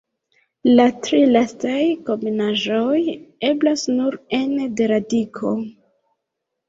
La tri lastaj kombinaĵoj eblas nur ene de radiko.